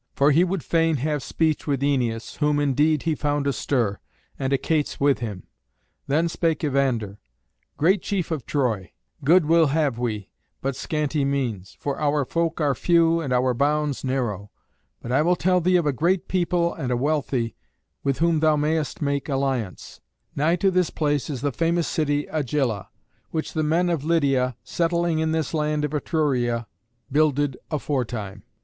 For he would fain have speech with Æneas, whom, indeed, he found astir, and Achates with him. Then spake Evander: "Great chief of Troy, good will have we, but scanty means; for our folk are few and our bounds narrow. But I will tell thee of a great people and a wealthy, with whom thou mayest make alliance. Nigh to this place is the famous city Agylla, which the men of Lydia, settling in this land of Etruria, builded aforetime.